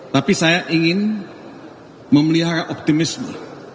tapi saya ingin memelihara optimisme